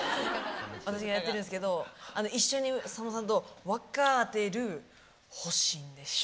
私がやってるんですけど一緒にさんまさんと「わかってるほしいんでしょ？」